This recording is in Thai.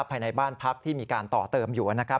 ภายในบ้านพักที่มีการต่อเติมอยู่นะครับ